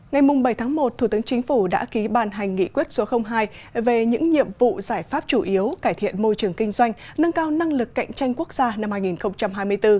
ngày bảy tháng một thủ tướng chính phủ đã ký bàn hành nghị quyết số hai về những nhiệm vụ giải pháp chủ yếu cải thiện môi trường kinh doanh nâng cao năng lực cạnh tranh quốc gia năm hai nghìn hai mươi bốn